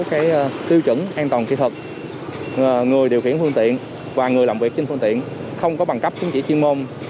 cái tiêu chuẩn an toàn kỹ thuật người điều khiển phương tiện và người làm việc trên phương tiện không có bằng cấp chứng chỉ chuyên môn